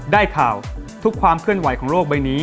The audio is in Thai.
ได้ข่าวทุกความเคลื่อนไหวของโลกใบนี้